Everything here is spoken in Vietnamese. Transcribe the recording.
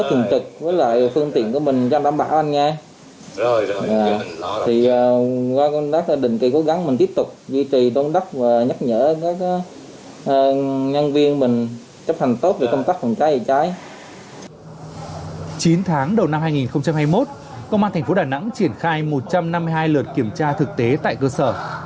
chín tháng đầu năm hai nghìn hai mươi một công an thành phố đà nẵng triển khai một trăm năm mươi hai lượt kiểm tra thực tế tại cơ sở